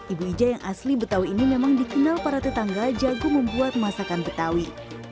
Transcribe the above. ibu ija yang asli betawi ini memang dikenal para tetangga jagung membuat masakan betawi